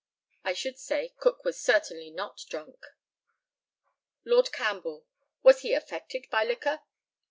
I should say Cook was certainly not drunk. Lord CAMPBELL: Was he affected by liquor?